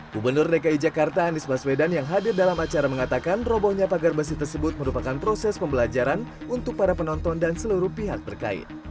gubernur dki jakarta anies baswedan yang hadir dalam acara mengatakan robohnya pagar besi tersebut merupakan proses pembelajaran untuk para penonton dan seluruh pihak terkait